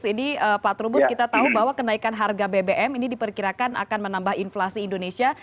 ini pak trubus kita tahu bahwa kenaikan harga bbm ini diperkirakan akan menambah inflasi indonesia